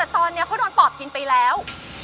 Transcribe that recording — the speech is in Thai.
แต่ตอนนี้เขาโดนปอบกินไปแล้ว